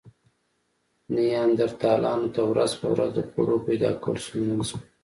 نیاندرتالانو ته ورځ په ورځ د خوړو پیدا کول ستونزمن شول.